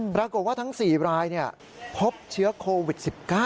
ปรากฏว่าทั้ง๔รายพบเชื้อโควิด๑๙